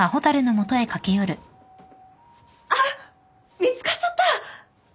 あっ見つかっちゃった！